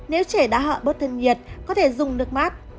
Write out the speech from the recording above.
nếu trẻ đã họ bớt thân nhiệt có thể dùng nước mát